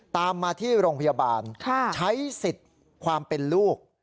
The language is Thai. ตามมาที่โรงพยาบาลใช้สิทธิ์ความเป็นลูก